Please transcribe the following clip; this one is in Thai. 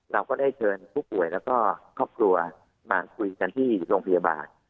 เราก็ได้เชิญผู้ป่วยแล้วก็ครอบครัวมาคุยกันที่โรงพยาบาล